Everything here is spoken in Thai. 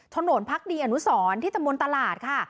ถนนพรรคดีอนุสรที่ตะมนตลาดค่ะ